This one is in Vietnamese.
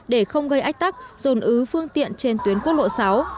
để không gây ách tắc dồn ứ phương tiện trên tuyến quốc lộ sáu